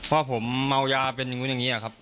ว่าผมเมายาเป็นอย่างนี้ครับ